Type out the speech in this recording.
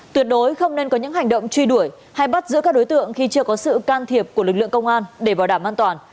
tuyệt đối không nên có những hành động truy đuổi hay bắt giữ các đối tượng khi chưa có sự can thiệp của lực lượng công an để bảo đảm an toàn